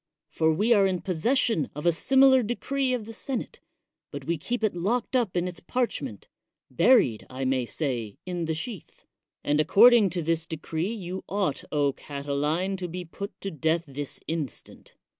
For we are in possession of a similar decree of the senate, but we keep it locked up in its parchment — ^buried, I may say, in the sheath ; and according to this decree you ought, Catiline, to be put to death this instant.